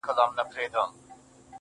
زما په خيال هري انجلۍ ته گوره_